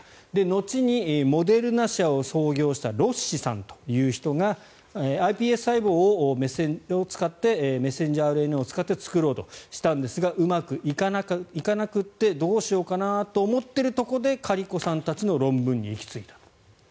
後に、モデルナ社を創業したロッシさんという人がｉＰＳ細胞をメッセンジャーＲＮＡを使って作ろうとしたんですがうまくいかなくてどうしようかなと思っているところでカリコさんたちの論文に行き着いた。